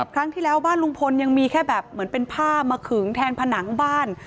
ครั้งที่แล้วบ้านลุงพลยังมีแค่แบบเหมือนเป็นผ้ามาขึงแทนผนังบ้าน